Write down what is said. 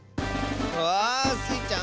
うわあ！スイちゃん